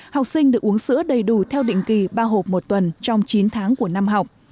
học sinh được uống sữa đầy đủ theo định kỳ ba hộp một tuần trong chín tháng của năm học